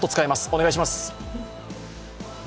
お願いします。